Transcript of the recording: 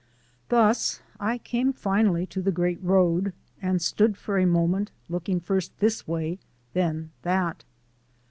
Thus I came finally to the Great Road, and stood for a moment looking first this way, then that.